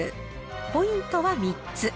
ポイントは３つ。